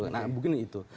nah begini itu